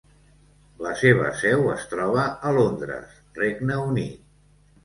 La seva seu es troba a Londres, Regne Unit.